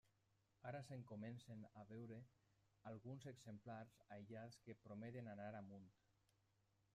Ara se'n comencen a veure alguns exemplars aïllats que prometen anar amunt.